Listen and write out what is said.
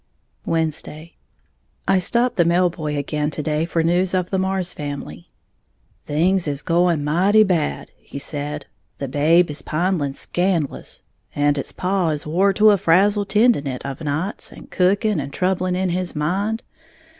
'" Wednesday. I stopped the mail boy again to day, for news of the Marrs family. "Things is going mighty bad," he said. "The babe is pindling scandlous, and its paw is wore to a frazzle tending it of nights, and cooking, and troubling in his mind.